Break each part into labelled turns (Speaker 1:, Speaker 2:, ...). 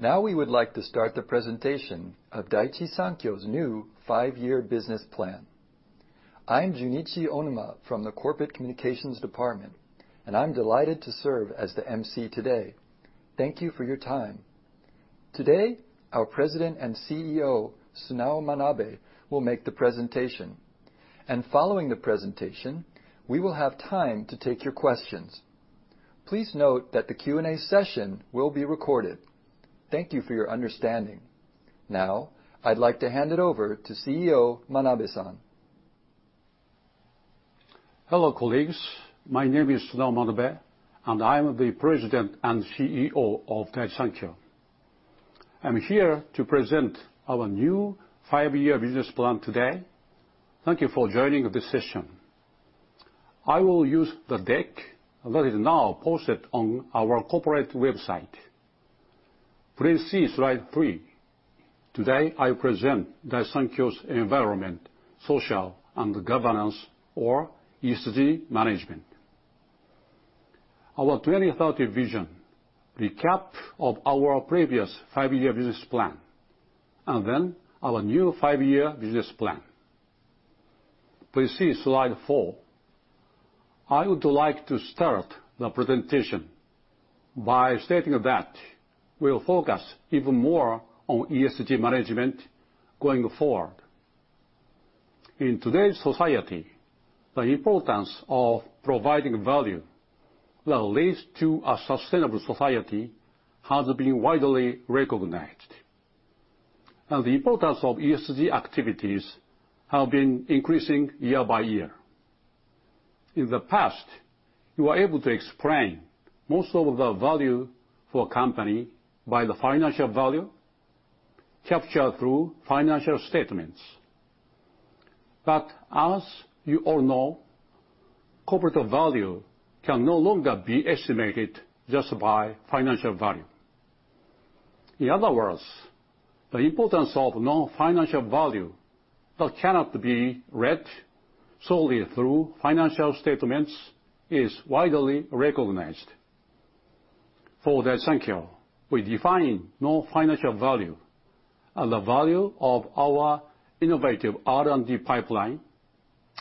Speaker 1: Now we would like to start the presentation of Daiichi Sankyo's new five-year business plan. I'm Junichi Onuma from the Corporate Communications Department, and I'm delighted to serve as the MC today. Thank you for your time. Today, our President and CEO, Sunao Manabe, will make the presentation. Following the presentation, we will have time to take your questions. Please note that the Q&A session will be recorded. Thank you for your understanding. Now, I'd like to hand it over to CEO Manabe-san.
Speaker 2: Hello, colleagues. My name is Sunao Manabe, and I am the President and CEO of Daiichi Sankyo. I'm here to present our new five-year business plan today. Thank you for joining this session. I will use the deck that is now posted on our corporate website. Please see slide three. Today, I present Daiichi Sankyo's environment, social, and governance, or ESG, management, our 2030 vision, recap of our previous five-year business plan, and then our new five-year business plan. Please see slide four. I would like to start the presentation by stating that we'll focus even more on ESG management going forward. In today's society, the importance of providing value that leads to a sustainable society has been widely recognized, and the importance of ESG activities have been increasing year by year. In the past, you were able to explain most of the value for a company by the financial value captured through financial statements. As you all know, corporate value can no longer be estimated just by financial value. In other words, the importance of non-financial value that cannot be read solely through financial statements is widely recognized. For Daiichi Sankyo, we define non-financial value as the value of our innovative R&D pipeline,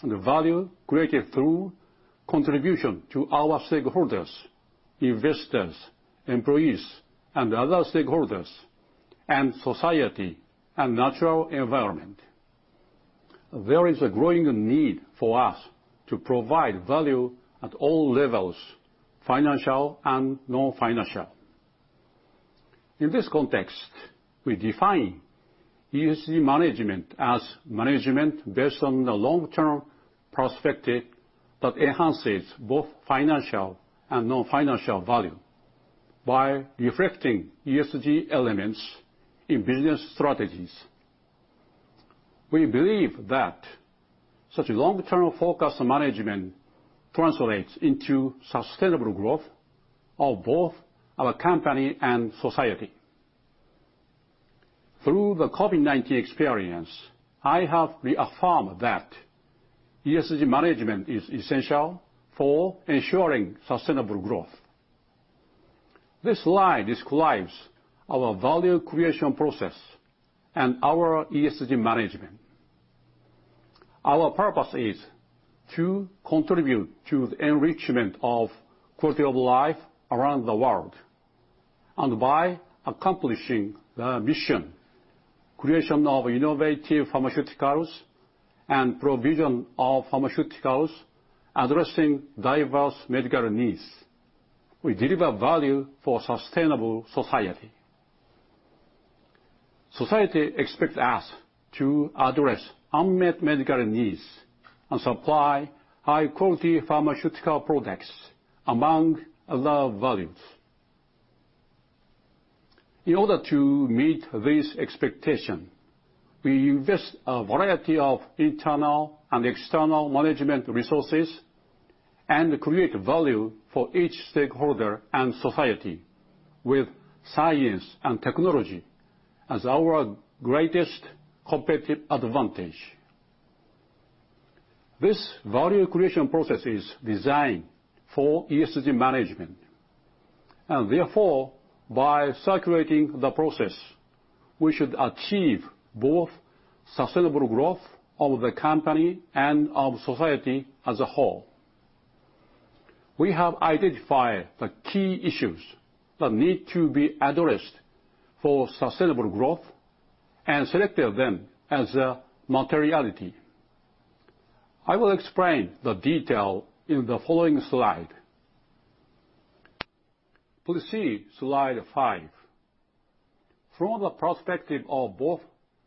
Speaker 2: the value created through contribution to our stakeholders, investors, employees, and other stakeholders, and society and natural environment. There is a growing need for us to provide value at all levels, financial and non-financial. In this context, we define ESG management as management based on the long-term perspective that enhances both financial and non-financial value by reflecting ESG elements in business strategies. We believe that such long-term focused management translates into sustainable growth of both our company and society. Through the COVID-19 experience, I have reaffirmed that ESG management is essential for ensuring sustainable growth. This slide describes our value creation process and our ESG management. Our purpose is to contribute to the enrichment of quality of life around the world. By accomplishing the mission, creation of innovative pharmaceuticals, and provision of pharmaceuticals addressing diverse medical needs, we deliver value for sustainable society. Society expects us to address unmet medical needs and supply high-quality pharmaceutical products, among other values. In order to meet this expectation, we invest a variety of internal and external management resources and create value for each stakeholder and society with science and technology as our greatest competitive advantage. This value creation process is designed for ESG management, and therefore, by circulating the process, we should achieve both sustainable growth of the company and of society as a whole. We have identified the key issues that need to be addressed for sustainable growth and selected them as a materiality. I will explain the detail in the following slide. Please see slide five. From the perspective of both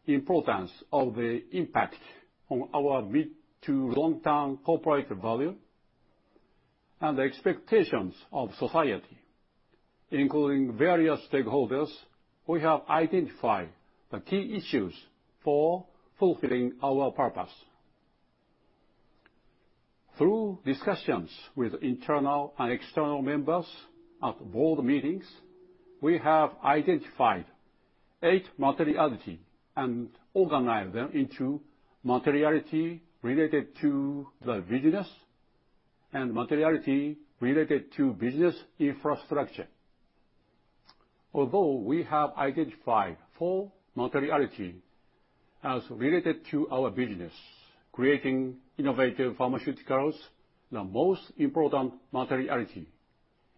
Speaker 2: importance of the impact on our mid to long-term corporate value and the expectations of society, including various stakeholders, we have identified the key issues for fulfilling our purpose. Through discussions with internal and external members at board meetings, we have identified eight materiality and organized them into materiality related to the business and materiality related to business infrastructure. Although we have identified four materiality as related to our business, creating innovative pharmaceuticals, the most important materiality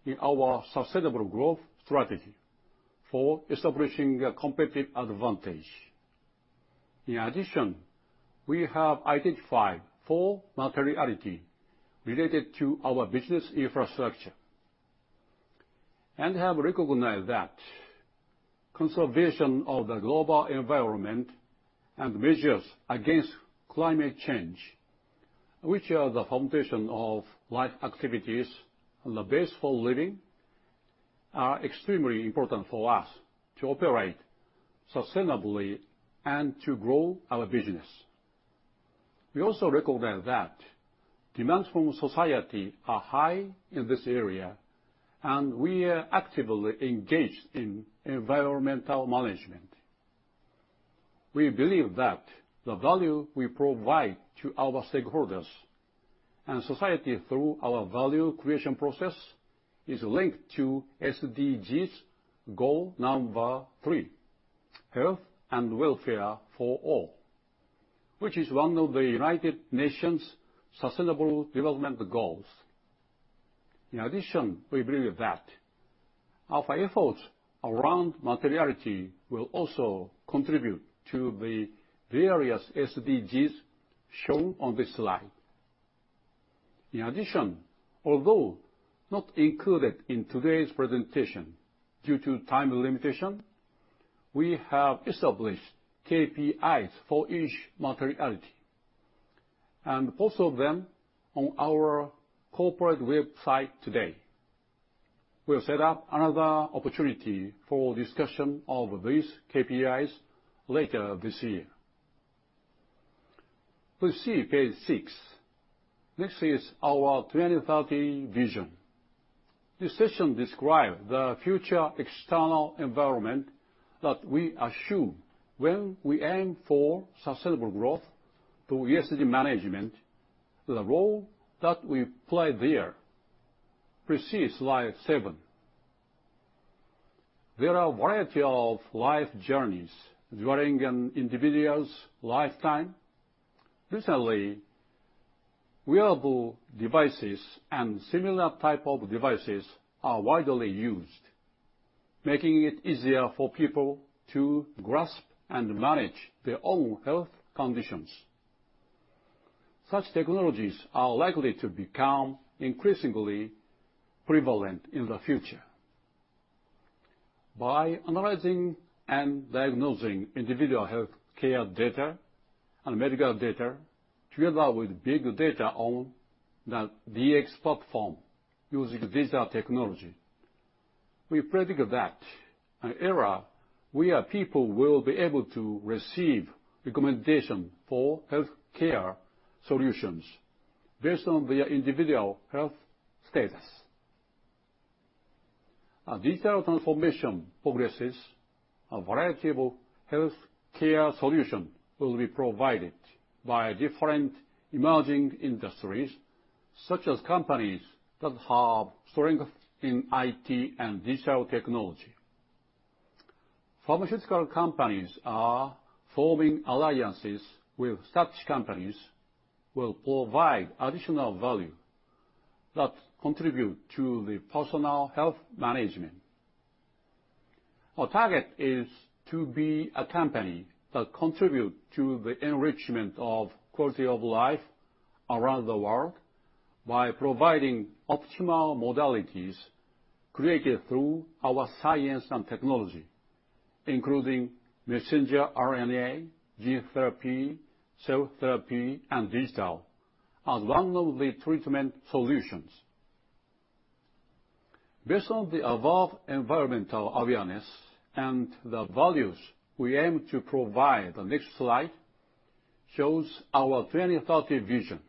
Speaker 2: in our sustainable growth strategy for establishing a competitive advantage. In addition, we have identified four materiality related to our business infrastructure and have recognized that conservation of the global environment and measures against climate change, which are the foundation of life activities and the base for living, are extremely important for us to operate sustainably and to grow our business. We also recognize that demands from society are high in this area, and we are actively engaged in environmental management. We believe that the value we provide to our stakeholders and society through our value creation process is linked to SDGs goal three, Health and Welfare for All, which is one of the United Nations Sustainable Development Goals. We believe that our efforts around materiality will also contribute to the various SDGs shown on this slide. Although not included in today's presentation due to time limitation, we have established KPIs for each materiality and posted them on our corporate website today. We'll set up another opportunity for discussion of these KPIs later this year. Please see page six. Next is our 2030 vision. This section describes the future external environment that we assume when we aim for sustainable growth through ESG management, the role that we play there. Please see slide seven. There are a variety of life journeys during an individual's lifetime. Recently, wearable devices and similar type of devices are widely used, making it easier for people to grasp and manage their own health conditions. Such technologies are likely to become increasingly prevalent in the future. By analyzing and diagnosing individual healthcare data and medical data, together with big data on the DX platform using digital technology, we predict that an era where people will be able to receive recommendation for healthcare solutions based on their individual health status. As digital transformation progresses, a variety of healthcare solutions will be provided by different emerging industries, such as companies that have strength in IT and digital technology. Pharmaceutical companies are forming alliances with such companies will provide additional value that contribute to the personal health management. Our target is to be a company that contribute to the enrichment of quality of life around the world by providing optimal modalities created through our science and technology, including messenger RNA, gene therapy, cell therapy, and digital, as one of the treatment solutions. Based on the above environmental awareness and the values we aim to provide, the next slide shows our 2030 vision,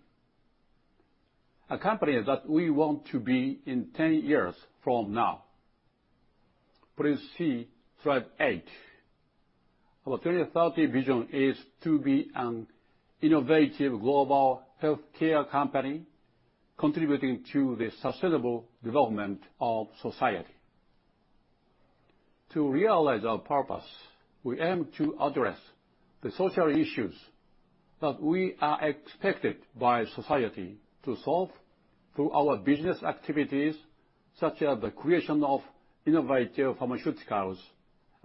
Speaker 2: a company that we want to be in 10 years from now. Please see slide eight. Our 2030 vision is to be an innovative global healthcare company contributing to the sustainable development of society. To realize our purpose, we aim to address the social issues that we are expected by society to solve through our business activities, such as the creation of innovative pharmaceuticals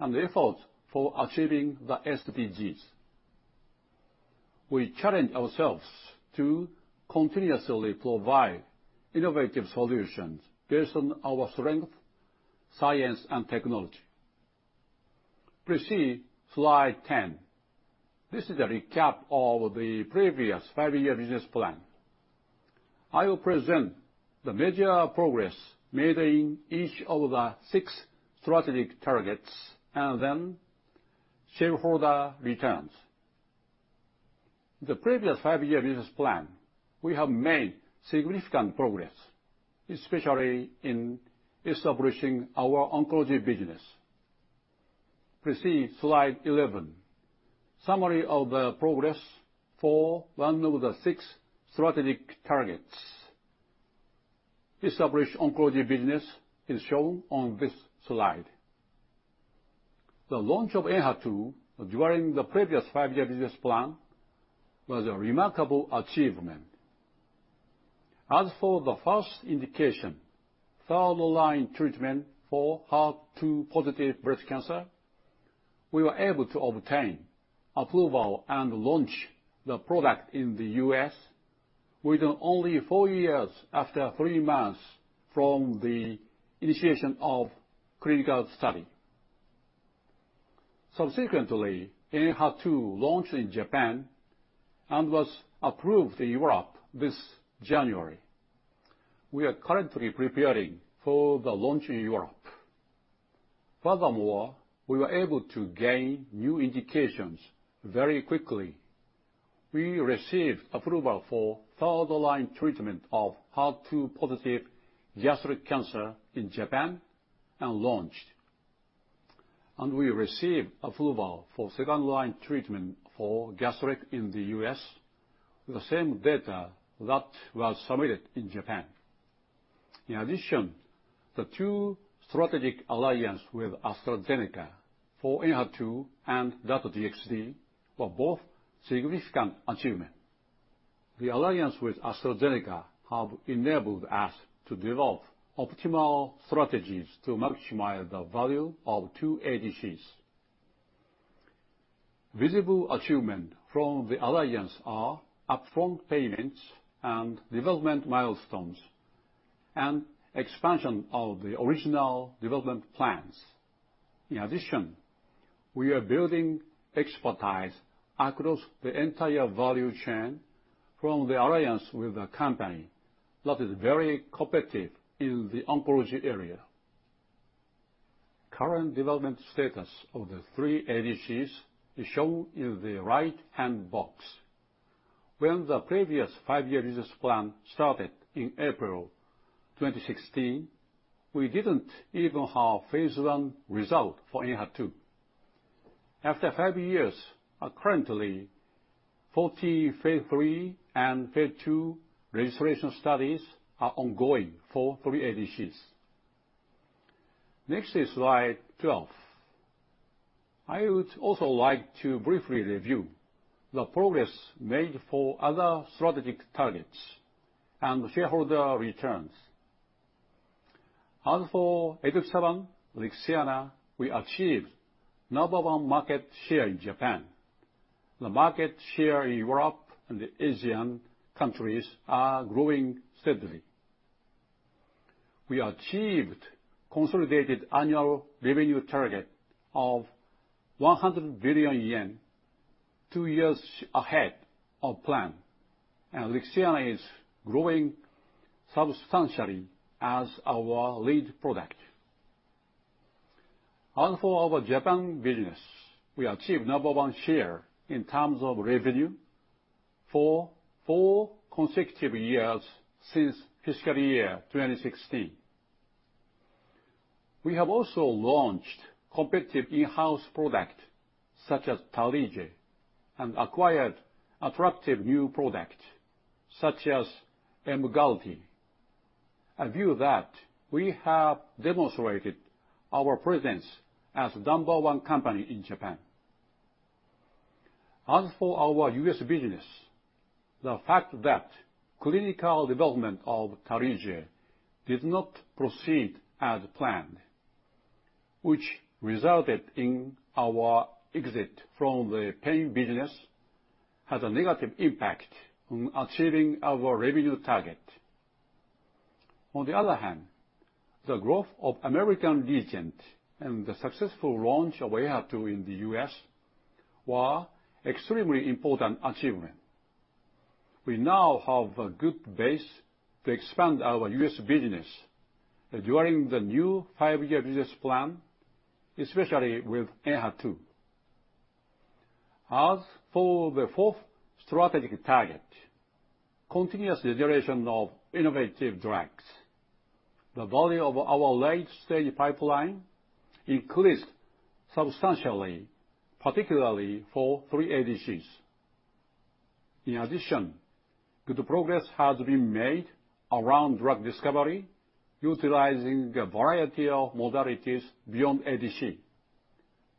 Speaker 2: and the effort for achieving the SDGs. We challenge ourselves to continuously provide innovative solutions based on our strength, science, and technology. Please see slide 10. This is a recap of the previous five-year business plan. I will present the major progress made in each of the six strategic targets, and then shareholder returns. The previous five-year business plan, we have made significant progress, especially in establishing our oncology business. Proceed slide 11, summary of the progress for one of the six strategic targets. Established oncology business is shown on this slide. The launch of ENHERTU during the previous five-year business plan was a remarkable achievement. As for the first indication, third line treatment for HER2 positive breast cancer, we were able to obtain approval and launch the product in the U.S. within only four years after three months from the initiation of clinical study. Subsequently, ENHERTU launched in Japan and was approved in Europe this January. We are currently preparing for the launch in Europe. Furthermore, we were able to gain new indications very quickly. We received approval for third-line treatment of HER2-positive gastric cancer in Japan and launched. We received approval for second-line treatment for gastric in the U.S. with the same data that was submitted in Japan. In addition, the two strategic alliance with AstraZeneca for ENHERTU and Dato-DXd were both significant achievement. The alliance with AstraZeneca have enabled us to develop optimal strategies to maximize the value of two ADCs. Visible achievement from the alliance are upfront payments and development milestones and expansion of the original development plans. In addition, we are building expertise across the entire value chain from the alliance with a company that is very cooperative in the oncology area. Current development status of the three ADCs is shown in the right-hand box. When the previous five-year business plan started in April 2016, we didn't even have phase I result for ENHERTU. After five years, currently, 40 phase III and phase II registration studies are ongoing for three ADCs. Next is slide 12. I would also like to briefly review the progress made for other strategic targets and shareholder returns. As for 887 Lixiana, we achieved number one market share in Japan. The market share in Europe and the Asian countries are growing steadily. We achieved consolidated annual revenue target of 100 billion yen two years ahead of plan. Lixiana is growing substantially as our lead product. As for our Japan business, we achieved number one share in terms of revenue for four consecutive years since fiscal year 2016. We have also launched competitive in-house product, such as Tarlige and acquired attractive new product, such as Emgality. I view that we have demonstrated our presence as number one company in Japan. As for our U.S. business, the fact that clinical development of Tarlige did not proceed as planned, which resulted in our exit from the pain business, had a negative impact on achieving our revenue target. On the other hand, the growth of American Regent and the successful launch of ENHERTU in the U.S. were extremely important achievement. We now have a good base to expand our U.S. business during the new five-year business plan, especially with ENHERTU. As for the fourth strategic target, continuous generation of innovative drugs, the value of our late-stage pipeline increased substantially, particularly for three ADCs. In addition, good progress has been made around drug discovery utilizing a variety of modalities beyond ADC,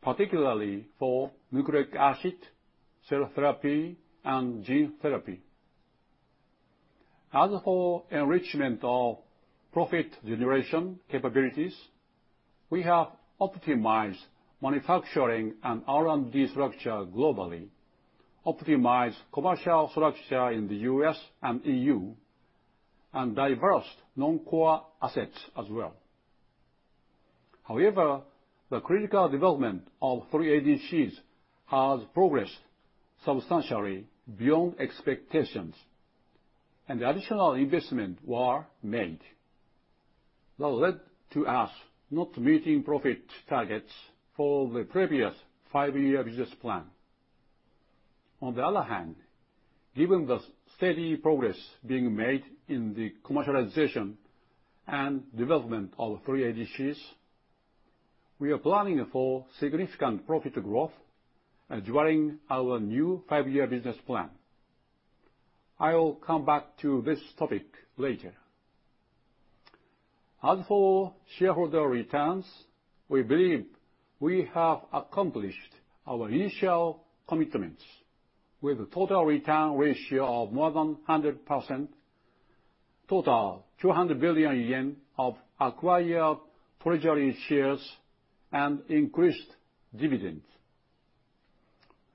Speaker 2: particularly for nucleic acid, cell therapy, and gene therapy. Enrichment of profit generation capabilities, we have optimized manufacturing and R&D structure globally, optimized commercial structure in the U.S. and EU, and divested non-core assets as well. The clinical development of three ADCs has progressed substantially beyond expectations, and additional investment were made that led to us not meeting profit targets for the previous five-year business plan. Given the steady progress being made in the commercialization and development of three ADCs, we are planning for significant profit growth during our new five-year business plan. I will come back to this topic later. Shareholder returns, we believe we have accomplished our initial commitments with a total return ratio of more than 100%, total 200 billion yen of acquired treasury shares, and increased dividends.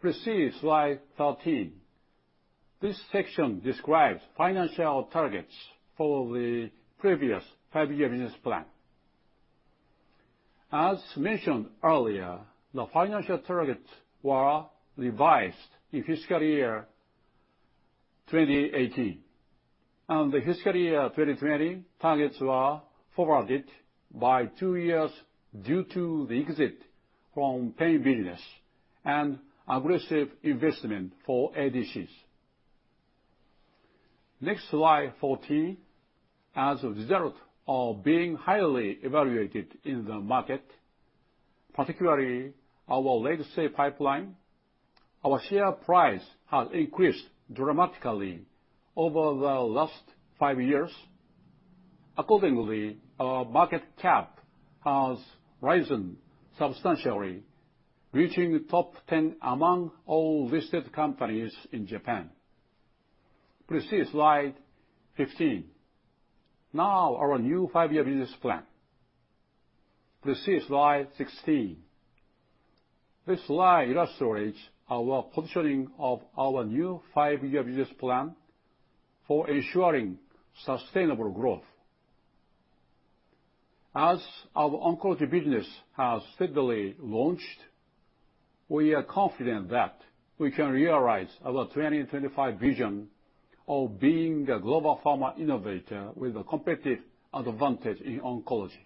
Speaker 2: Please see slide 13. This section describes financial targets for the previous five-year business plan. As mentioned earlier, the financial targets were revised in fiscal year 2018, and the fiscal year 2020 targets were forwarded by two years due to the exit from pain business and aggressive investment for ADCs. Next, slide 14. As a result of being highly evaluated in the market, particularly our legacy pipeline, our share price has increased dramatically over the last five years. Accordingly, our market cap has risen substantially, reaching top 10 among all listed companies in Japan. Please see slide 15. Now our new five-year business plan. Please see slide 16. This slide illustrates our positioning of our new five-year business plan for ensuring sustainable growth. As our oncology business has steadily launched, we are confident that we can realize our 2025 vision of being a global pharma innovator with a competitive advantage in oncology.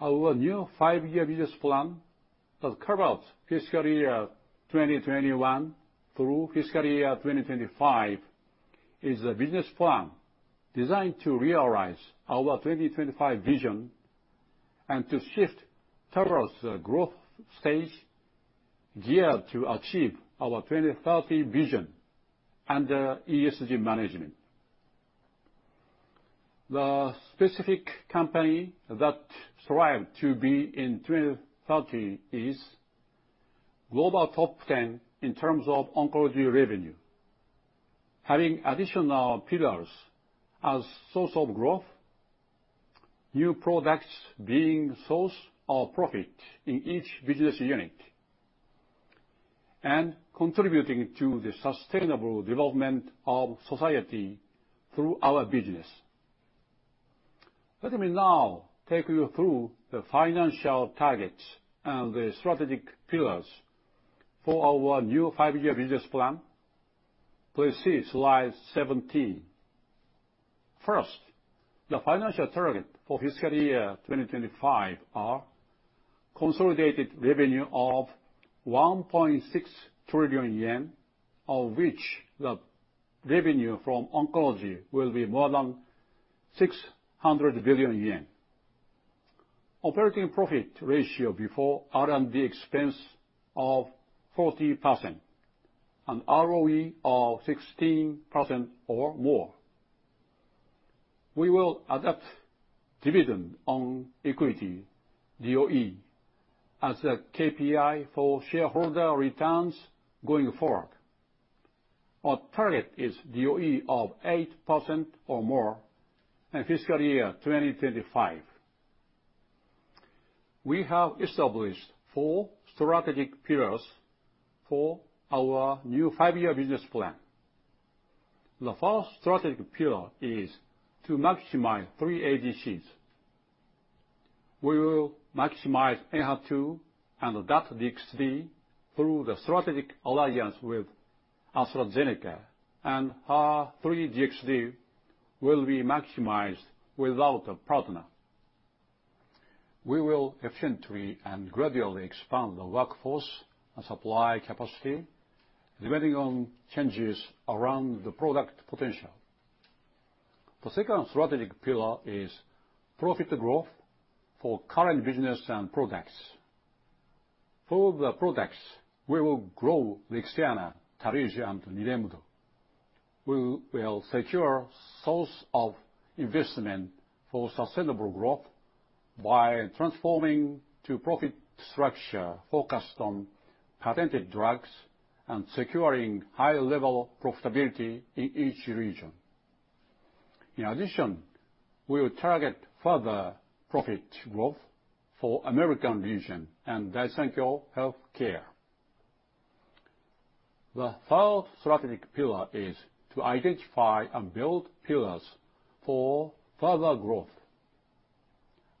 Speaker 2: Our new five-year business plan that covers fiscal year 2021 through fiscal year 2025, is a business plan designed to realize our 2025 vision and to shift towards a growth stage geared to achieve our 2030 vision under ESG management. The specific company that strives to be in 2030 is global top 10 in terms of oncology revenue, having additional pillars as source of growth, new products being source of profit in each business unit, and contributing to the sustainable development of society through our business. Let me now take you through the financial targets and the strategic pillars for our new five-year business plan. Please see slide 17. First, the financial targets for fiscal year 2025 are consolidated revenue of 1.6 trillion yen, of which the revenue from oncology will be more than 600 billion yen. Operating profit ratio before R&D expense of 40%, and ROE of 16% or more. We will adopt dividend on equity, DOE, as a KPI for shareholder returns going forward. Our target is DOE of 8% or more in fiscal year 2025. We have established four strategic pillars for our new five-year business plan. The first strategic pillar is to maximize three ADCs. We will maximize ENHERTU and Dato-DXd through the strategic alliance with AstraZeneca, and HER3-DXd will be maximized without a partner. We will efficiently and gradually expand the workforce and supply capacity, depending on changes around the product potential. The second strategic pillar is profit growth for current business and products. For the products, we will grow Lixiana, Tarlige, and NILEMDO. We will secure source of investment for sustainable growth by transforming to profit structure focused on patented drugs and securing high level profitability in each region. In addition, we will target further profit growth for American Regent and Daiichi Sankyo Healthcare. The third strategic pillar is to identify and build pillars for further growth.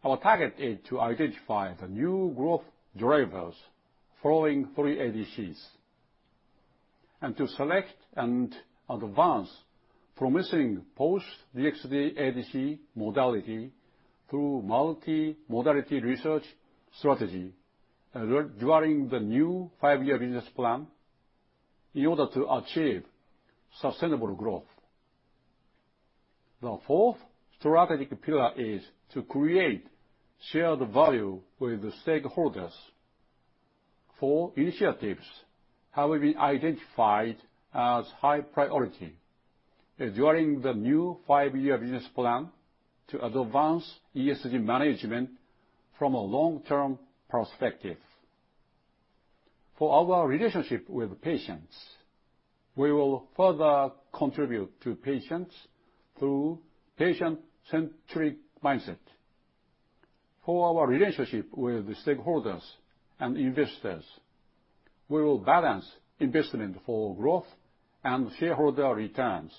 Speaker 2: Our target is to identify the new growth drivers following three ADCs. To select and advance promising post-DXd ADC modality through multimodality research strategy during the new five-year business plan in order to achieve sustainable growth. The fourth strategic pillar is to create shared value with the stakeholders. Four initiatives have been identified as high priority during the new five-year business plan to advance ESG management from a long-term perspective. For our relationship with patients, we will further contribute to patients through patient-centric mindset. For our relationship with the stakeholders and investors, we will balance investment for growth and shareholder returns.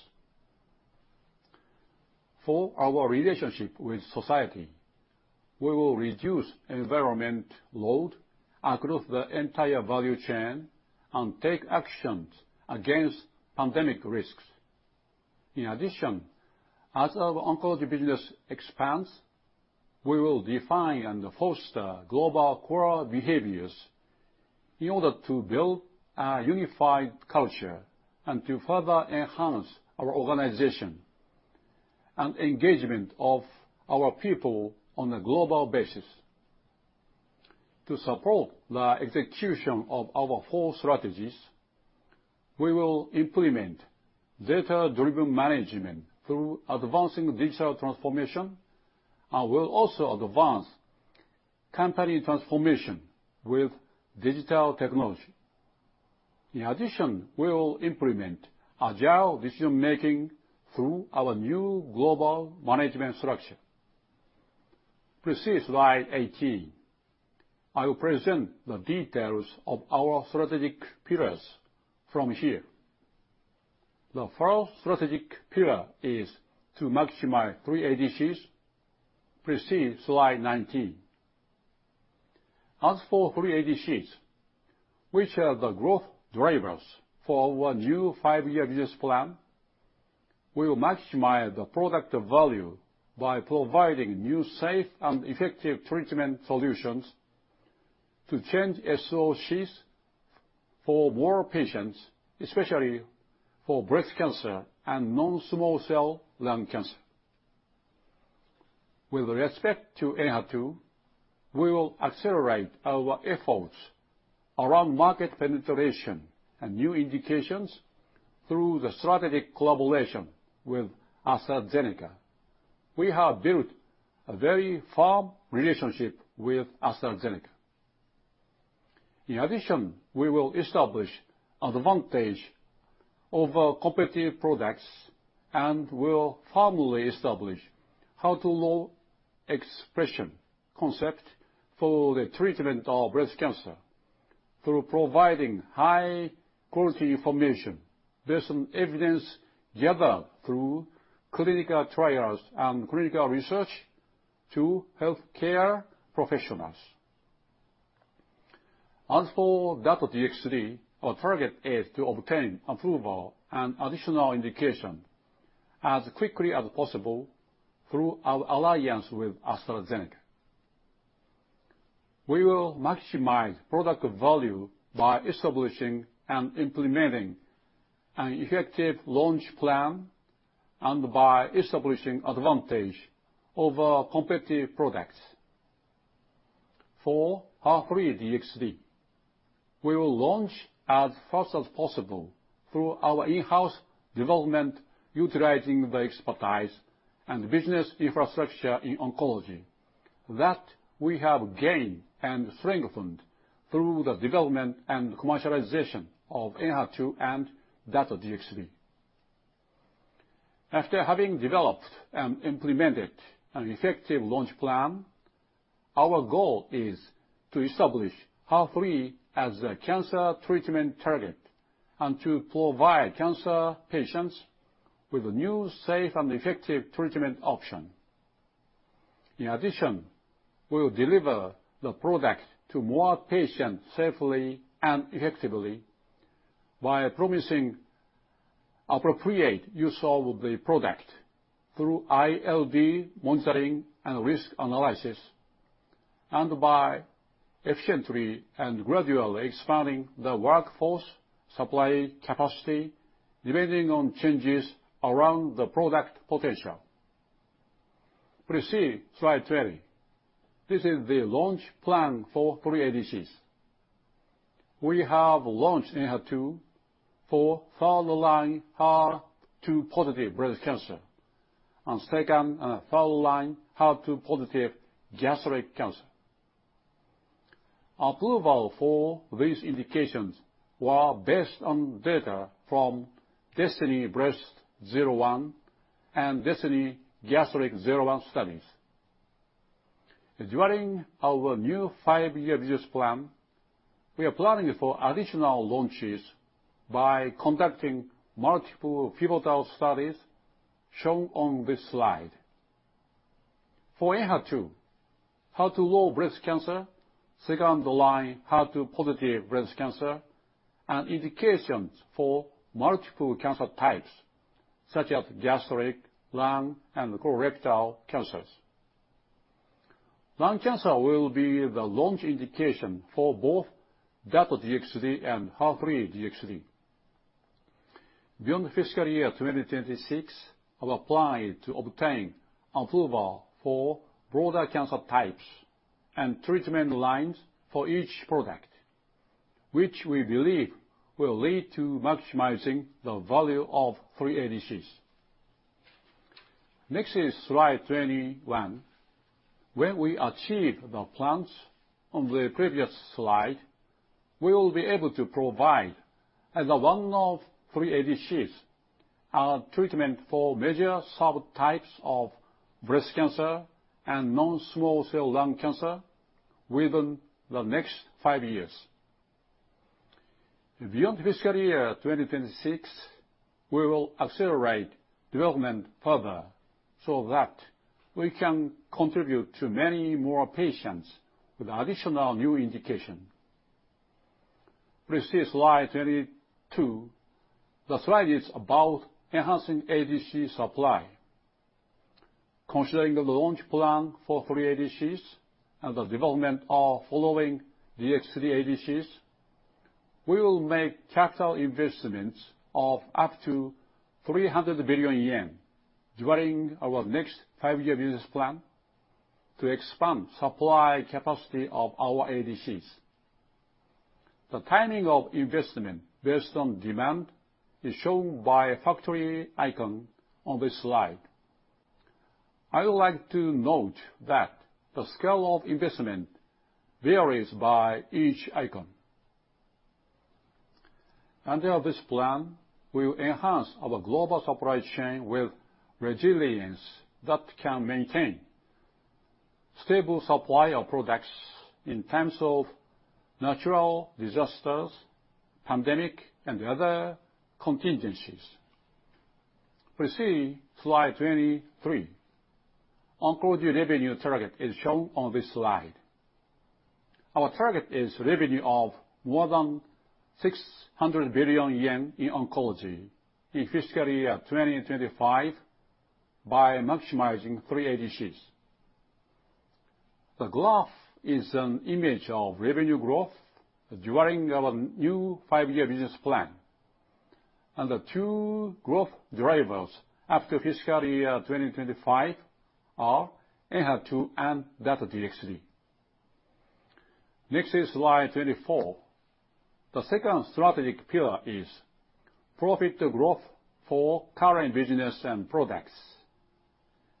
Speaker 2: For our relationship with society, we will reduce environment load across the entire value chain and take actions against pandemic risks. In addition, as our oncology business expands, we will define and foster global core behaviors in order to build a unified culture and to further enhance our organization and engagement of our people on a global basis. To support the execution of our four strategies, we will implement data-driven management through advancing digital transformation, and we will also advance company transformation with digital technology. In addition, we will implement agile decision-making through our new global management structure. Please see slide 18. I will present the details of our strategic pillars from here. The first strategic pillar is to maximize three ADCs. Please see slide 19. As for three ADCs, which are the growth drivers for our new five-year business plan, we will maximize the product value by providing new, safe, and effective treatment solutions to change SOCs for more patients, especially for breast cancer and non-small cell lung cancer. With respect to ENHERTU, we will accelerate our efforts around market penetration and new indications through the strategic collaboration with AstraZeneca. We have built a very firm relationship with AstraZeneca. In addition, we will establish advantage over competitive products and will firmly establish HER2-low expression concept for the treatment of breast cancer through providing high-quality information based on evidence gathered through clinical trials and clinical research to healthcare professionals. As for Dato-DXd, our target is to obtain approval and additional indication as quickly as possible through our alliance with AstraZeneca. We will maximize product value by establishing and implementing an effective launch plan and by establishing advantage over competitive products. For HER3-DXd, we will launch as fast as possible through our in-house development, utilizing the expertise and business infrastructure in oncology that we have gained and strengthened through the development and commercialization of ENHERTU and Dato-DXd. After having developed and implemented an effective launch plan, our goal is to establish HER3 as a cancer treatment target and to provide cancer patients with a new safe and effective treatment option. In addition, we will deliver the product to more patients safely and effectively by promising appropriate use of the product through ILD monitoring and risk analysis, and by efficiently and gradually expanding the workforce supply capacity, depending on changes around the product potential. Please see slide 20. This is the launch plan for three ADCs. We have launched ENHERTU for first-line HER2 positive breast cancer and second and third-line HER2 positive gastric cancer. Approval for these indications were based on data from DESTINY-Breast01 and DESTINY-Gastric01 studies. During our new five-year business plan, we are planning for additional launches by conducting multiple pivotal studies shown on this slide. For ENHERTU, HER2-low breast cancer, second-line HER2-positive breast cancer, and indications for multiple cancer types such as gastric, lung, and colorectal cancers. Lung cancer will be the launch indication for both Dato-DXd and HER3-DXd. Beyond fiscal year 2026, we applied to obtain approval for broader cancer types and treatment lines for each product, which we believe will lead to maximizing the value of three ADCs. Next is slide 21. When we achieve the plans on the previous slide, we will be able to provide, as one of three ADCs, a treatment for major subtypes of breast cancer and non-small cell lung cancer within the next five years. Beyond fiscal year 2026, we will accelerate development further so that we can contribute to many more patients with additional new indication. Please see slide 22. The slide is about enhancing ADC supply. Considering the launch plan for three ADCs and the development of following DXd ADCs, we will make capital investments of up to 300 billion yen during our next five-year business plan to expand supply capacity of our ADCs. The timing of investment based on demand is shown by a factory icon on this slide. I would like to note that the scale of investment varies by each icon. Under this plan, we will enhance our global supply chain with resilience that can maintain stable supply of products in times of natural disasters, pandemic, and other contingencies. Please see slide 23. Oncology revenue target is shown on this slide. Our target is revenue of more than 600 billion yen in oncology in FY 2025 by maximizing free ADCs. The graph is an image of revenue growth during our new five-year business plan, and the two growth drivers after FY 2025 are ENHERTU and Dato-DXd. Next is slide 24. The second strategic pillar is profit growth for current business and products.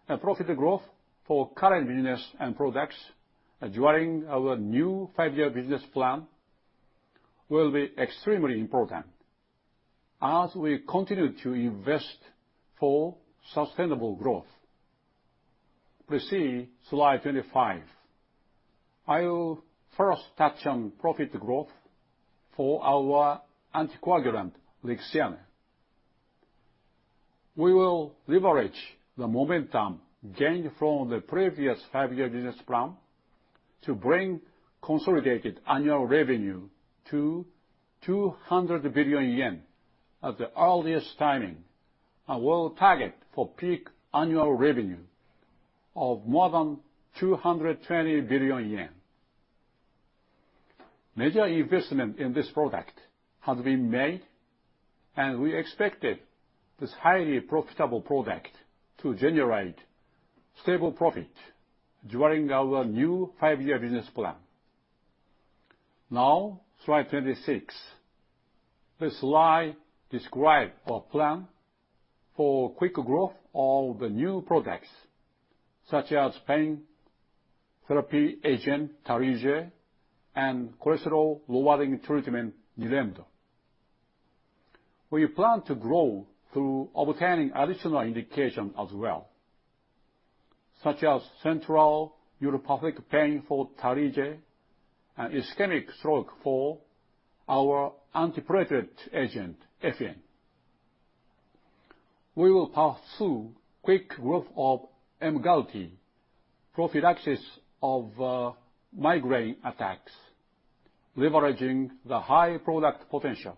Speaker 2: A profit growth for current business and products during our new five-year business plan will be extremely important as we continue to invest for sustainable growth. Please see slide 25. I will first touch on profit growth for our anticoagulant, Lixiana. We will leverage the momentum gained from the previous five-year business plan to bring consolidated annual revenue to 200 billion yen at the earliest timing, and we will target for peak annual revenue of more than 220 billion yen. Major investment in this product has been made, and we expected this highly profitable product to generate stable profit during our new five-year business plan. Now, slide 26. This slide describe our plan for quick growth of the new products, such as pain therapy agent, Tarlige, and cholesterol-lowering treatment, NILEMDO. We plan to grow through obtaining additional indication as well, such as central neuropathic pain for Tarlige and ischemic stroke for our antiplatelet agent, Effient. We will pursue quick growth of Emgality, prophylaxis of migraine attacks, leveraging the high product potential.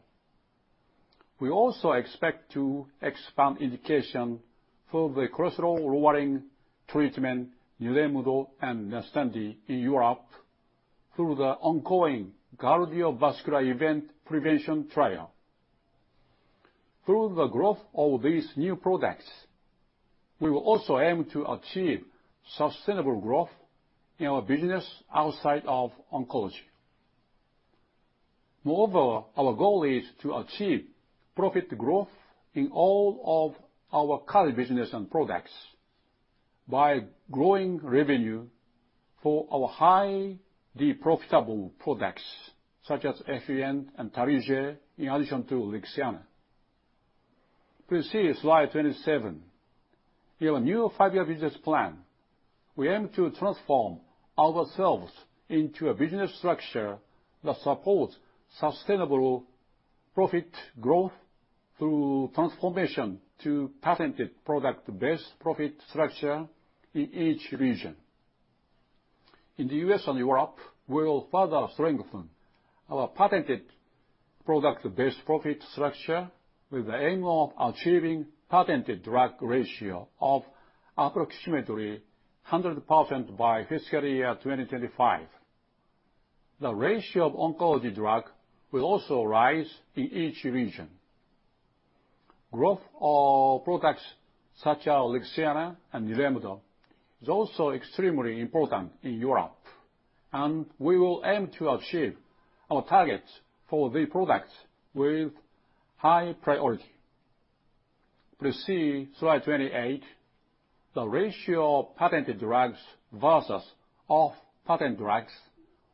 Speaker 2: We also expect to expand indication for the cholesterol-lowering treatment, NILEMDO and NUSTENDI in Europe through the ongoing cardiovascular event prevention trial. Through the growth of these new products, we will also aim to achieve sustainable growth in our business outside of oncology. Our goal is to achieve profit growth in all of our current business and products by growing revenue for our highly profitable products, such as Effient and Tarlige, in addition to Lixiana. Please see slide 27. In our new five-year business plan, we aim to transform ourselves into a business structure that supports sustainable growth. Profit growth through transformation to patented product-based profit structure in each region. In the U.S. and Europe, we will further strengthen our patented product-based profit structure with the aim of achieving patented drug ratio of approximately 100% by fiscal year 2025. The ratio of oncology drug will also rise in each region. Growth of products such as [Lixiana] and [NILEMDO] is also extremely important in Europe, and we will aim to achieve our targets for the products with high priority. Please see slide 28. The ratio of patented drugs versus off-patent drugs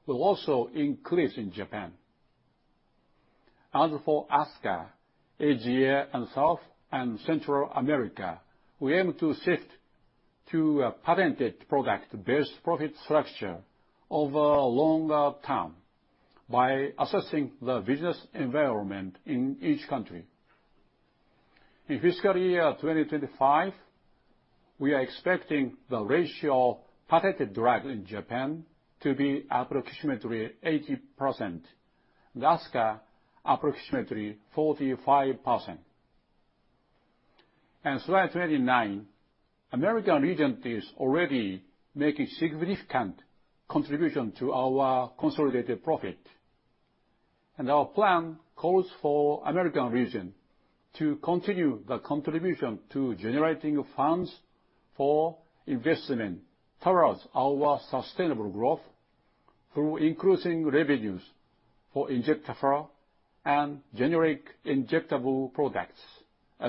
Speaker 2: will also increase in Japan. As for ASCA, Asia and South and Central America, we aim to shift to a patented product-based profit structure over a longer term by assessing the business environment in each country. In fiscal year 2025, we are expecting the ratio of patented drug in Japan to be approximately 80%. ASCA, approximately 45%. Slide 29, American Regent is already making significant contribution to our consolidated profit. Our plan calls for American Regent to continue the contribution to generating funds for investment towards our sustainable growth through increasing revenues for injectables and generic injectable products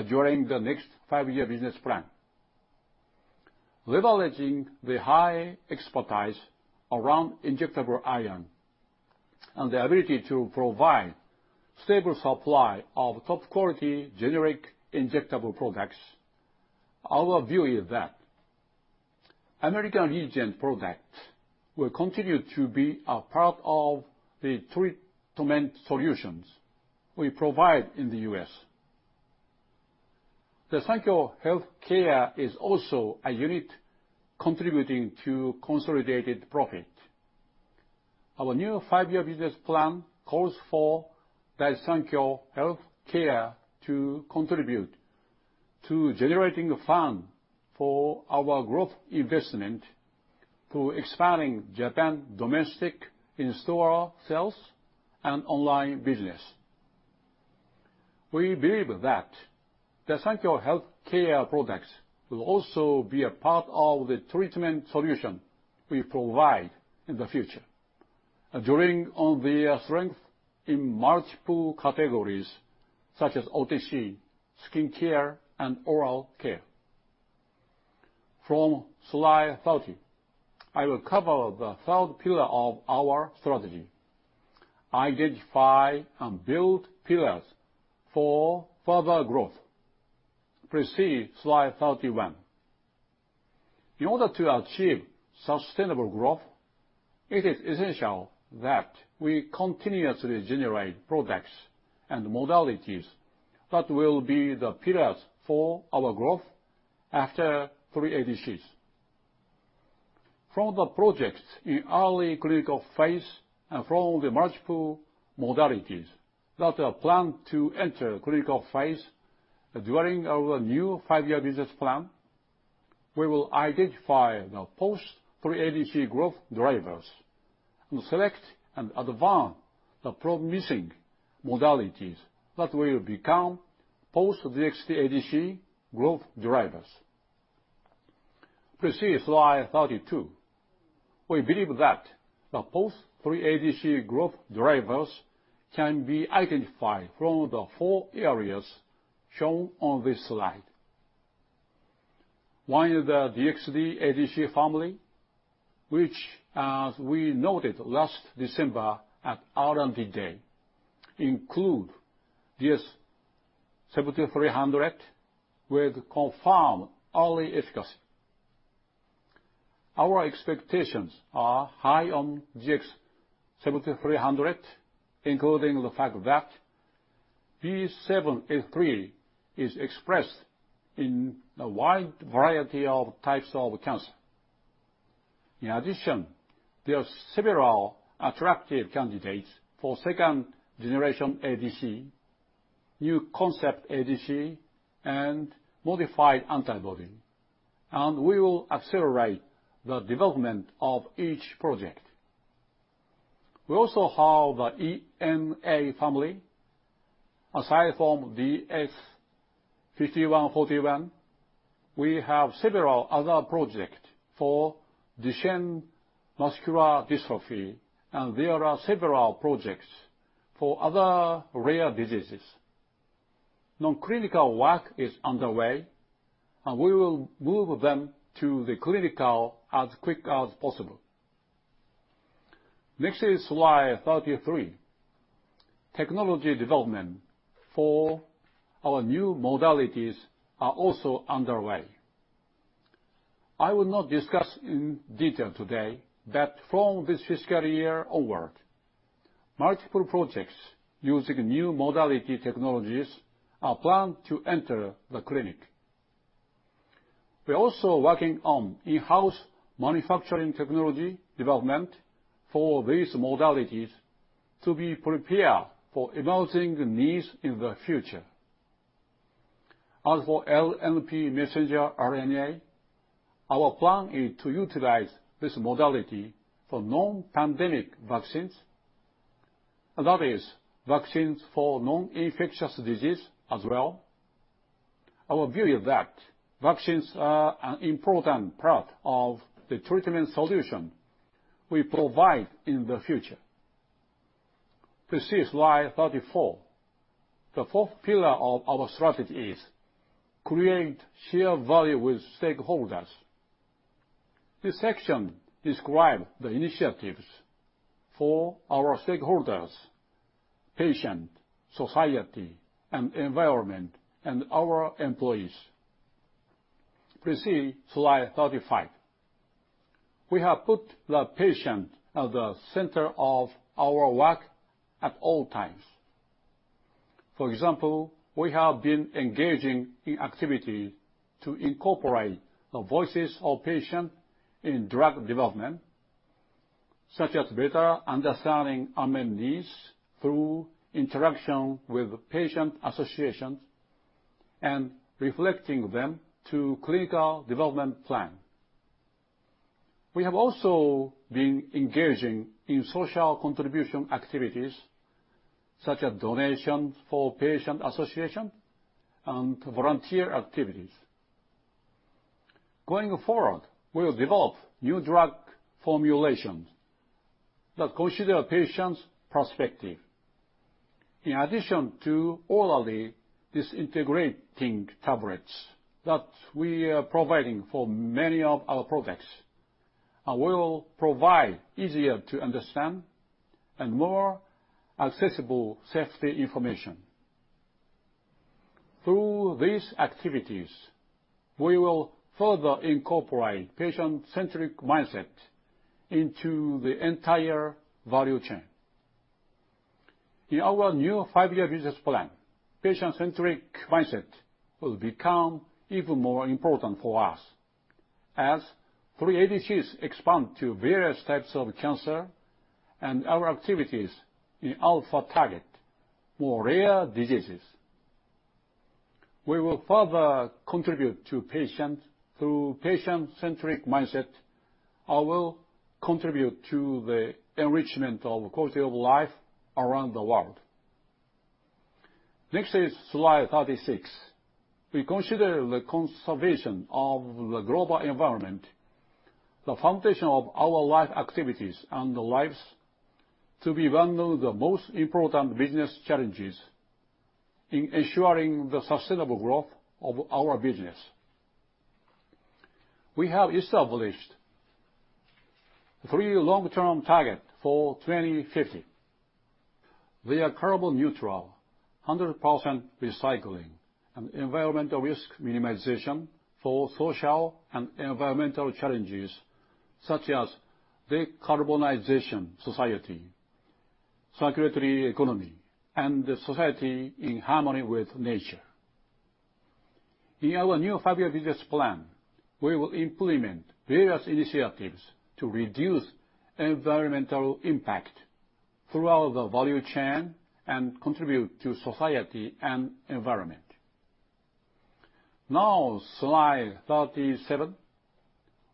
Speaker 2: during the next five-year business plan. Leveraging the high expertise around injectable iron and the ability to provide stable supply of top-quality generic injectable products, our view is that American Regent products will continue to be a part of the treatment solutions we provide in the U.S. Daiichi Sankyo Healthcare is also a unit contributing to consolidated profit. Our new five-year business plan calls for Daiichi Sankyo Healthcare to contribute to generating fund for our growth investment through expanding Japan domestic in-store sales and online business. We believe that Daiichi Sankyo Healthcare products will also be a part of the treatment solution we provide in the future, drawing on their strength in multiple categories such as OTC, skincare, and oral care. From slide 30, I will cover the third pillar of our strategy, identify and build pillars for further growth. Please see slide 31. In order to achieve sustainable growth, it is essential that we continuously generate products and modalities that will be the pillars for our growth after three ADCs. From the projects in early clinical phase, from the multiple modalities that are planned to enter clinical phase during our new five-year business plan, we will identify the post three ADC growth drivers and select and advance the promising modalities that will become post DXd ADC growth drivers. Please see slide 32. We believe that the post three ADC growth drivers can be identified from the four areas shown on this slide. One is the DXd ADC family, which, as we noted last December at R&D Day, include DS-7300 with confirmed early efficacy. Our expectations are high on DS-7300, including the fact that B7-H3 is expressed in a wide variety of types of cancer. There are several attractive candidates for second-generation ADC, new concept ADC, and modified antibody, and we will accelerate the development of each project. We also have the ENA family. Aside from DS-5141, we have several other projects for Duchenne muscular dystrophy, and there are several projects for other rare diseases. Non-clinical work is underway, and we will move them to the clinical as quick as possible. Next is slide 33. Technology development for our new modalities are also underway. I will not discuss in detail today that from this fiscal year onward, multiple projects using new modality technologies are planned to enter the clinic. We are also working on in-house manufacturing technology development for these modalities to be prepared for emerging needs in the future. As for LNP messenger RNA, our plan is to utilize this modality for non-pandemic vaccines. That is, vaccines for non-infectious disease as well. Our view is that vaccines are an important part of the treatment solution we provide in the future. Please see slide 34. The fourth pillar of our strategy is create shared value with stakeholders. This section describes the initiatives for our stakeholders, patients, society, and environment, and our employees. Please see slide 35. We have put the patient at the center of our work at all times. For example, we have been engaging in activities to incorporate the voices of patients in drug development, such as better understanding unmet needs through interaction with patient associations, and reflecting them to clinical development plan. We have also been engaging in social contribution activities such as donations for patient associations and volunteer activities. Going forward, we will develop new drug formulations that consider patients' perspective. In addition to orally disintegrating tablets that we are providing for many of our products, and we will provide easier-to-understand and more accessible safety information. Through these activities, we will further incorporate patient-centric mindset into the entire value chain. In our new five-year business plan, patient-centric mindset will become even more important for us as three ADCs expand to various types of cancer and our activities in Alpha target more rare diseases. We will further contribute to patients through patient-centric mindset and will contribute to the enrichment of quality of life around the world. Next is slide 36. We consider the conservation of the global environment, the foundation of our life activities and lives, to be one of the most important business challenges in ensuring the sustainable growth of our business. We have established three long-term targets for 2050. They are carbon neutral, 100% recycling, and environmental risk minimization for social and environmental challenges such as decarbonization society, circulatory economy, and a society in harmony with nature. In our new five-year business plan, we will implement various initiatives to reduce environmental impact throughout the value chain and contribute to society and environment. Now, slide 37.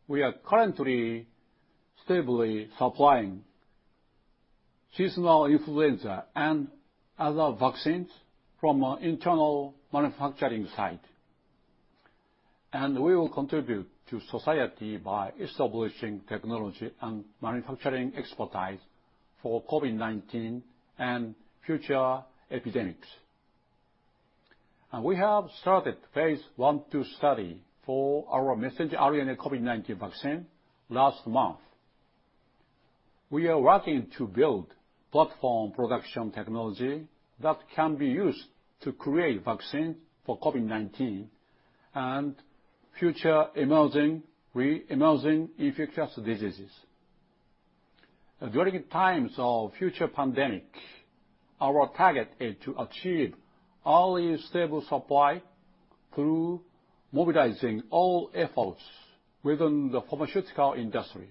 Speaker 2: We are currently stably supplying seasonal influenza and other vaccines from an internal manufacturing site, and we will contribute to society by establishing technology and manufacturing expertise for COVID-19 and future epidemics. We have started a phase I/II study for our messenger RNA COVID-19 vaccine last month. We are working to build platform production technology that can be used to create vaccines for COVID-19 and future emerging, re-emerging infectious diseases. During times of future pandemics, our target is to achieve early stable supply through mobilizing all efforts within the pharmaceutical industry.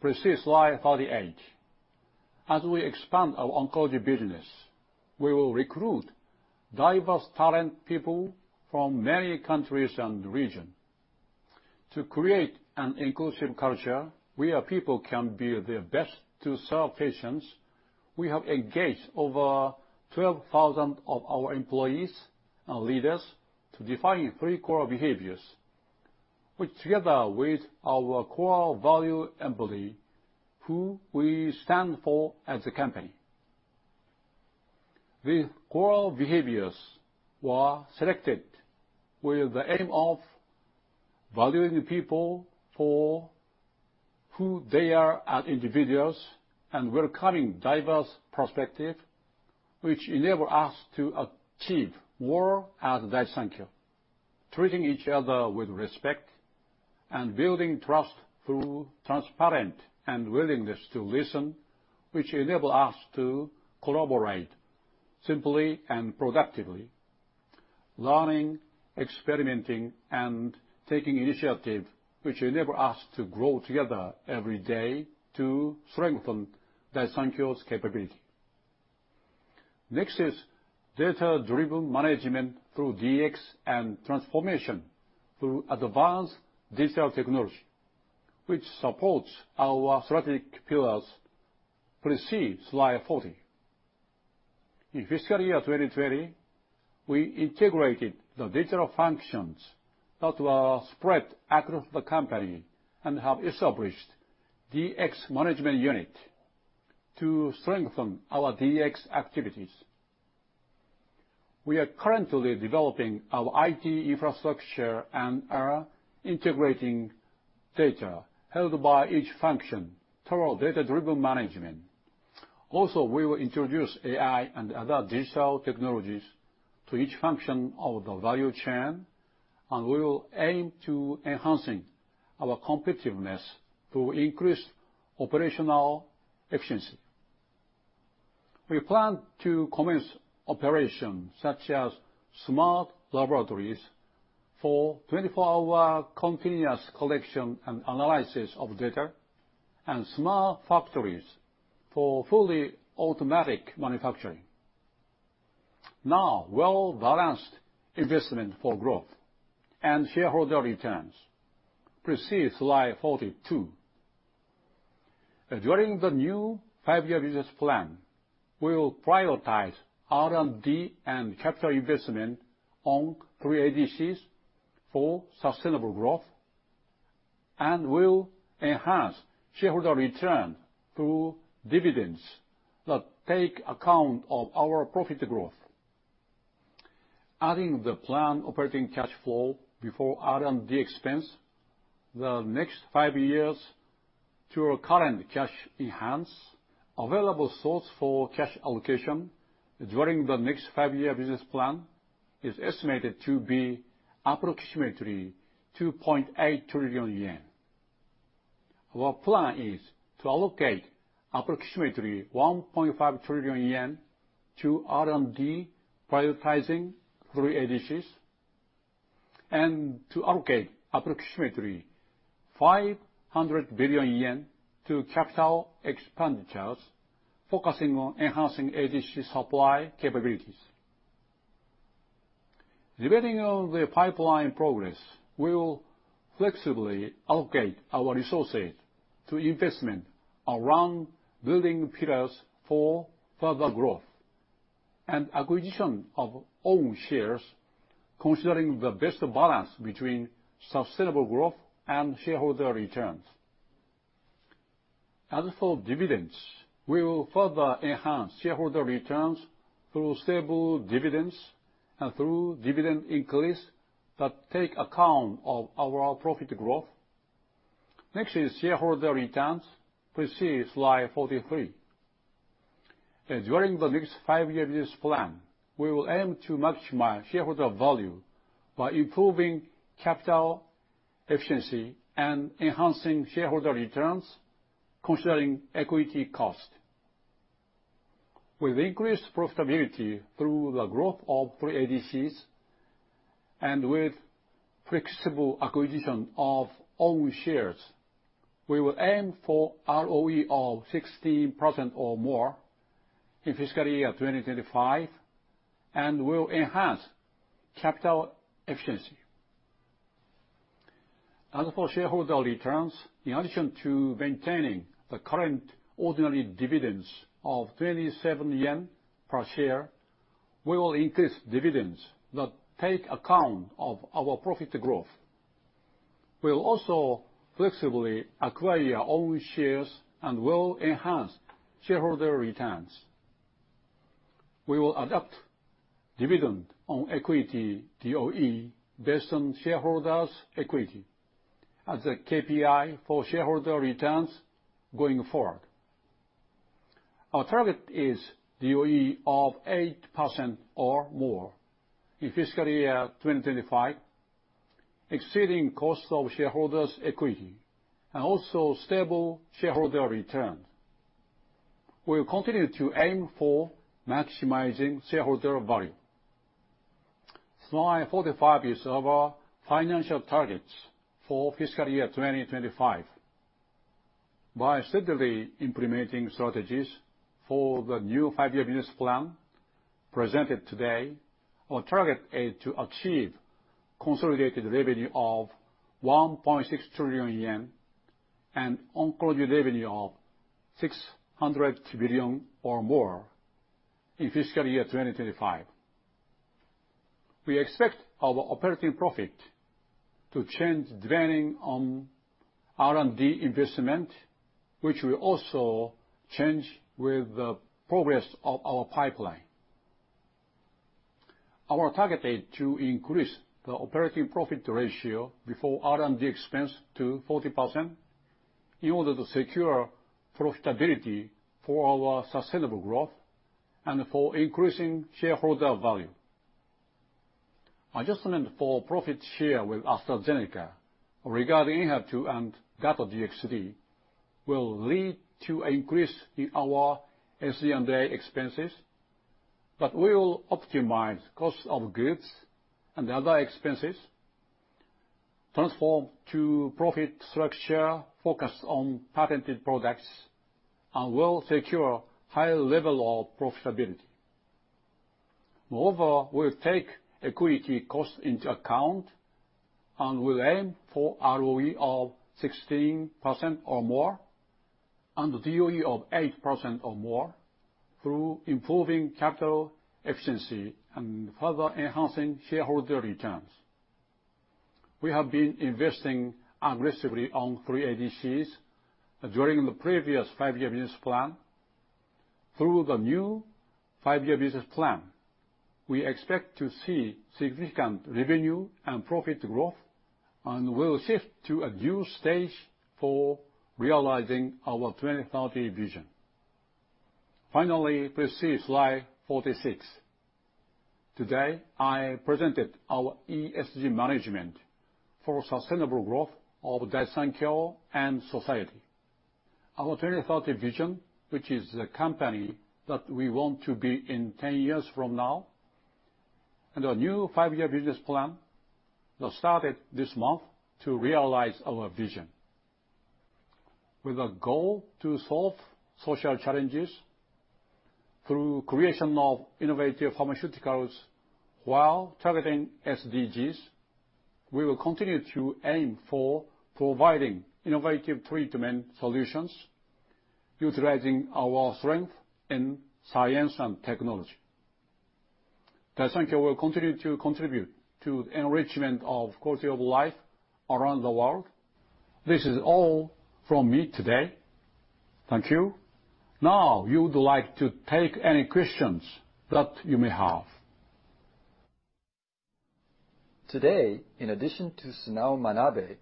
Speaker 2: Please see slide 38. As we expand our oncology business, we will recruit diverse talented people from many countries and regions. To create an inclusive culture where people can be their best to serve patients, we have engaged over 12,000 of our employees and leaders to define three core behaviors, which together with our core value "Empathy," who we stand for as a company. These core behaviors were selected with the aim of valuing people for who they are as individuals and welcoming diverse perspective, which enable us to achieve more at Daiichi Sankyo. Treating each other with respect and building trust through transparent and willingness to listen, which enable us to collaborate simply and productively. Learning, experimenting, and taking initiative, which enable us to grow together every day to strengthen Daiichi Sankyo's capability. Next is data-driven management through DX and transformation through advanced digital technology, which supports our strategic pillars. Please see slide 40. In fiscal year 2020, we integrated the digital functions that were spread across the company and have established DX Management Unit to strengthen our DX activities. We are currently developing our IT infrastructure and are integrating data held by each function through our data-driven management. We will introduce AI and other digital technologies to each function of the value chain, and we will aim to enhancing our competitiveness to increase operational efficiency. We plan to commence operations such as smart laboratories for 24-hour continuous collection and analysis of data, and smart factories for fully automatic manufacturing. Well-balanced investment for growth and shareholder returns. Please see slide 42. During the new five-year business plan, we will prioritize R&D and capital investment on three ADCs for sustainable growth, and we'll enhance shareholder return through dividends that take account of our profit growth. Adding the planned operating cash flow before R&D expense, the next five years to our current cash on hand, available source for cash allocation during the next five-year business plan is estimated to be approximately 2.8 trillion yen. Our plan is to allocate approximately 1.5 trillion yen to R&D, prioritizing three ADCs, and to allocate approximately 500 billion yen to capital expenditures, focusing on enhancing ADC supply capabilities. Depending on the pipeline progress, we'll flexibly allocate our resources to investment around building pillars for further growth and acquisition of own shares, considering the best balance between sustainable growth and shareholder returns. As for dividends, we will further enhance shareholder returns through stable dividends and through dividend increase that take account of our profit growth. Next is shareholder returns. Please see slide 43. During the next five-year business plan, we will aim to maximize shareholder value by improving capital efficiency and enhancing shareholder returns, considering equity cost. With increased profitability through the growth of three ADCs, and with flexible acquisition of own shares, we will aim for ROE of [16%] or more in fiscal year 2025 and will enhance capital efficiency. As for shareholder returns, in addition to maintaining the current ordinary dividends of 27 yen per share, we will increase dividends that take account of our profit growth. We'll also flexibly acquire our own shares and will enhance shareholder returns. We will adopt dividend on equity (DOE) based on shareholders' equity as a KPI for shareholder returns going forward. Our target is DOE of 8% or more in fiscal year 2025, exceeding cost of shareholders' equity and also stable shareholder returns. We will continue to aim for maximizing shareholder value. Slide 45 is our financial targets for fiscal year 2025. By steadily implementing strategies for the new five-year business plan presented today, our target is to achieve consolidated revenue of 1.6 trillion yen and oncology revenue of 600 billion or more in fiscal year 2025. We expect our operating profit to change depending on R&D investment, which will also change with the progress of our pipeline. Our target is to increase the operating profit ratio before R&D expense to 40% in order to secure profitability for our sustainable growth and for increasing shareholder value. Adjustment for profit share with AstraZeneca regarding ENHERTU and Dato-DXd will lead to an increase in our SG&A expenses. We will optimize cost of goods and the other expenses, transform to profit structure focused on patented products, and will secure high level of profitability. Moreover, we'll take equity cost into account and will aim for ROE of 16% or more, and DOE of 8% or more through improving capital efficiency and further enhancing shareholder returns. We have been investing aggressively on three ADCs during the previous five-year business plan. Through the new five-year business plan, we expect to see significant revenue and profit growth and will shift to a new stage for realizing our 2030 vision. Finally, please see slide 46. Today, I presented our ESG management for sustainable growth of Daiichi Sankyo and society. Our 2030 vision, which is the company that we want to be in 10 years from now, and our new five-year business plan that started this month to realize our vision. With a goal to solve social challenges through creation of innovative pharmaceuticals while targeting SDGs, we will continue to aim for providing innovative treatment solutions utilizing our strength in science and technology. Daiichi Sankyo will continue to contribute to the enrichment of quality of life around the world. This is all from me today. Thank you. We would like to take any questions that you may have.
Speaker 1: Today, in addition to Sunao Manabe,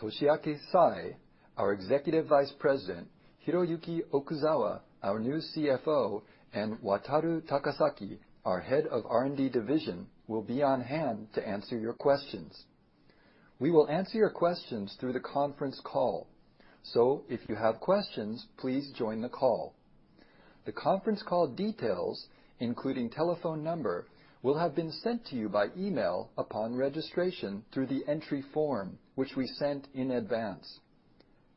Speaker 1: Toshiaki Sai, our Executive Vice President, Hiroyuki Okuzawa, our new CFO, and Wataru Takasaki, our Head of R&D Division, will be on hand to answer your questions. We will answer your questions through the conference call, so if you have questions, please join the call. The conference call details, including telephone number, will have been sent to you by email upon registration through the entry form, which we sent in advance.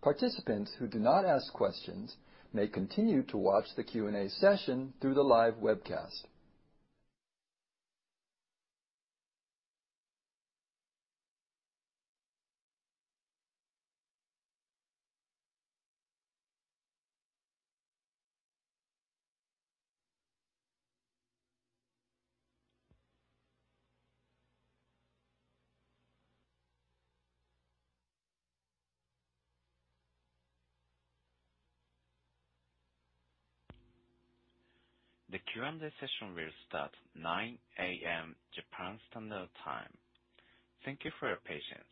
Speaker 1: Participants who do not ask questions may continue to watch the Q&A session through the live webcast.
Speaker 3: The Q&A session will start 9:00 A.M. Japan Standard Time. Thank you for your patience.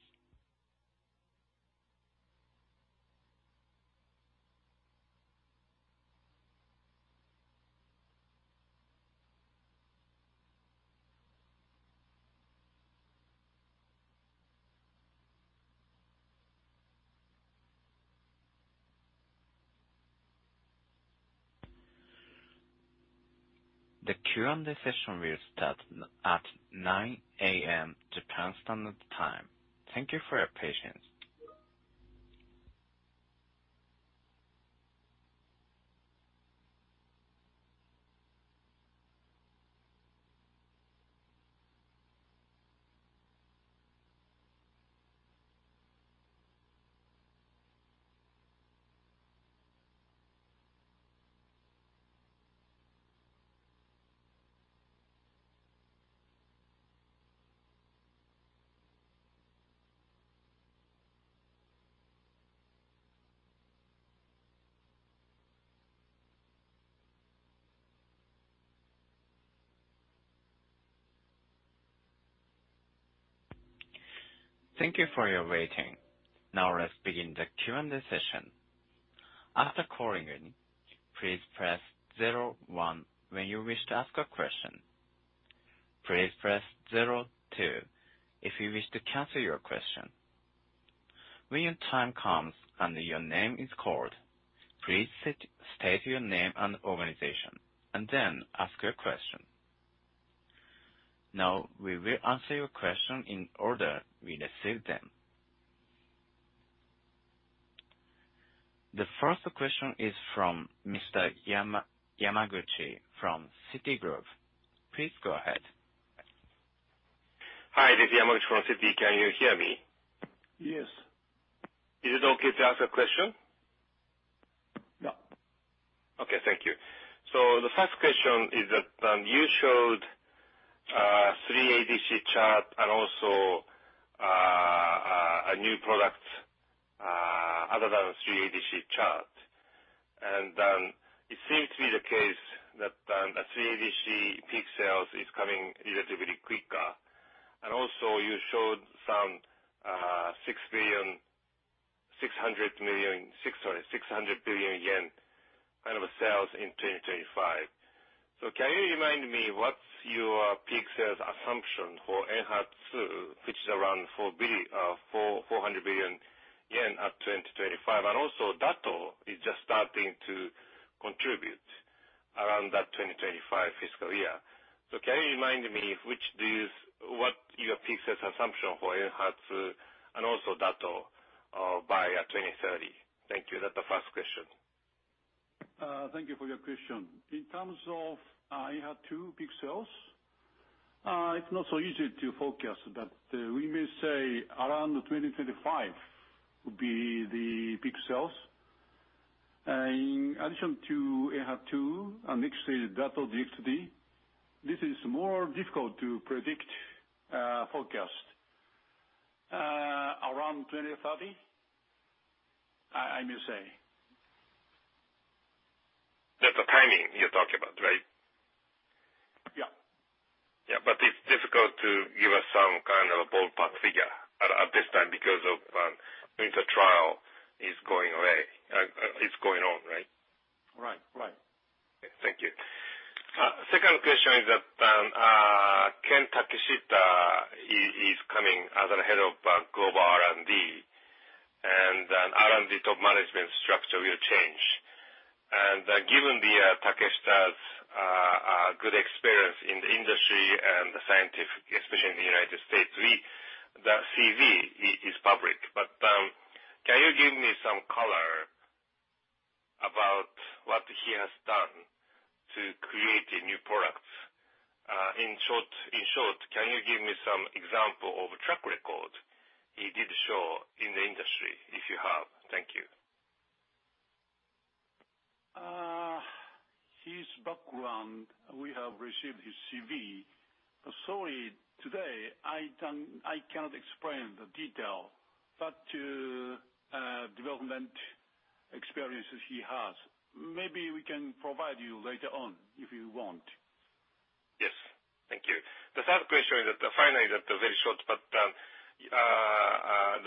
Speaker 3: The Q&A session will start at 9:00 A.M. Japan Standard Time. Thank you for your patience. Thank you for your waiting. Now let's begin the Q&A session. After calling in, please press zero one when you wish to ask a question. Please press zero two if you wish to cancel your question. When your time comes and your name is called, please state your name and organization, and then ask your question. Now we will answer your question in order we receive them. The first question is from Mr. Yamaguchi from Citigroup. Please go ahead.
Speaker 4: Hi, this is Yamaguchi from Citi. Can you hear me?
Speaker 2: Yes.
Speaker 4: Is it okay to ask a question?
Speaker 2: Yeah.
Speaker 4: Okay. Thank you. The first question is that you showed three ADC chart and also a new product- ADC chart. It seems to be the case that ADC peak sales is coming relatively quicker. Also you showed some 600 billion yen kind of sales in 2025. Can you remind me what's your peak sales assumption for ENHERTU, which is around 400 billion yen at 2025? Also Dato is just starting to contribute around that 2025 fiscal year. Can you remind me what your peak sales assumption for ENHERTU and also Dato by 2030? Thank you. That's the first question.
Speaker 2: Thank you for your question. In terms of ENHERTU peak sales, it's not so easy to forecast, but we may say around 2025 will be the peak sales. In addition to ENHERTU, and next is Dato-DXd, this is more difficult to predict, forecast. Around 2030, I may say.
Speaker 4: That's the timing you're talking about, right?
Speaker 2: Yeah.
Speaker 4: Yeah. It's difficult to give us some kind of a ballpark figure at this time because of the trial is going on, right?
Speaker 2: Right.
Speaker 4: Thank you. Second question is that Ken Takeshita, he is coming as a Global Head of R&D. R&D top management structure will change. Given Takeshita's good experience in the industry and the scientific, especially in the United States, the CV is public. Can you give me some color about what he has done to create a new product? In short, can you give me some example of track record he did show in the industry, if you have? Thank you.
Speaker 2: His background, we have received his CV. Sorry, today, I cannot explain the detail, but development experiences he has. Maybe we can provide you later on, if you want.
Speaker 4: Yes. Thank you. The third question is finally very short, the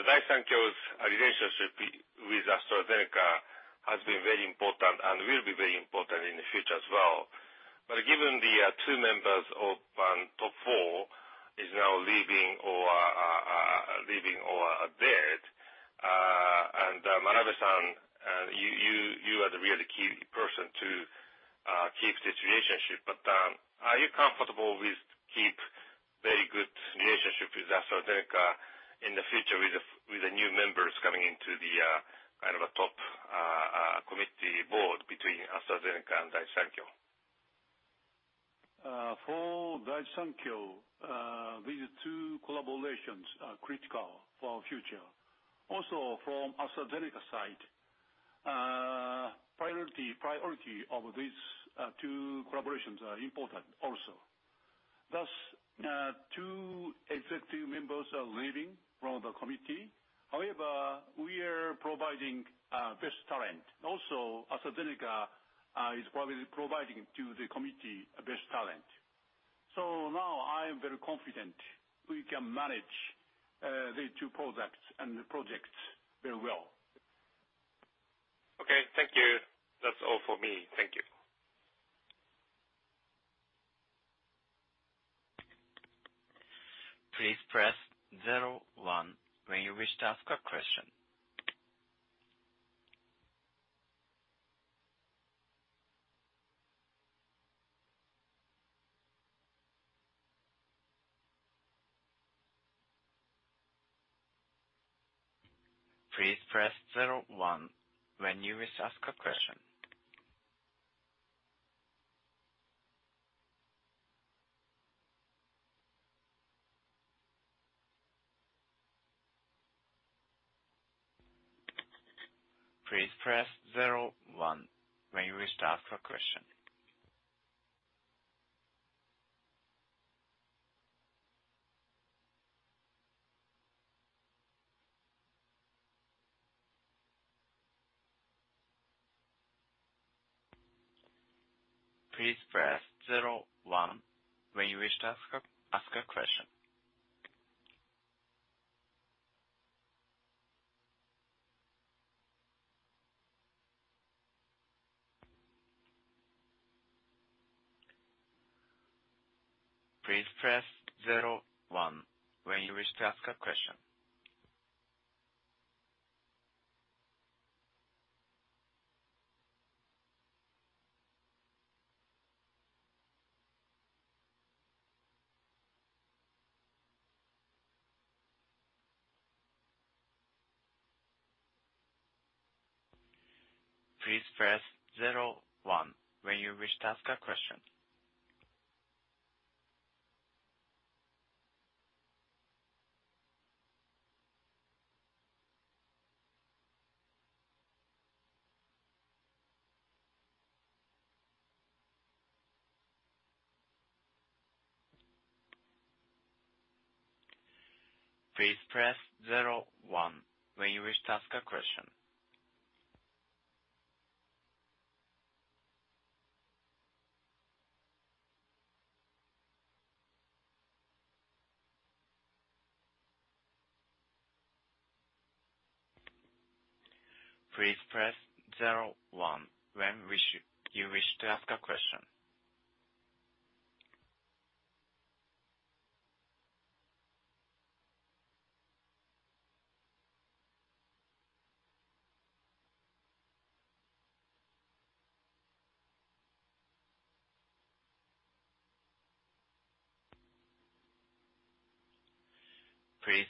Speaker 4: relationship with AstraZeneca has been very important and will be very important in the future as well. Given the two members of top four is now leaving or are dead, and Manabe-san, you are the really key person to keep this relationship. Are you comfortable with keep very good relationship with AstraZeneca in the future with the new members coming into the top committee board between AstraZeneca and Daiichi Sankyo?
Speaker 2: For Daiichi Sankyo, these two collaborations are critical for our future. From AstraZeneca side, priority of these two collaborations are important also. Two executive members are leaving from the committee. We are providing best talent. AstraZeneca is probably providing to the committee best talent. Now I am very confident we can manage the two products and projects very well.
Speaker 4: Okay. Thank you. That's all for me. Thank you.
Speaker 3: Please press zero one when you wish to ask a question. It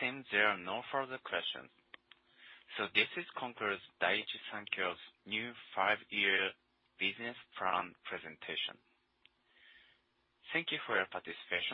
Speaker 3: seems there are no further questions. This concludes Daiichi Sankyo's new five-year business plan presentation. Thank you for your participation.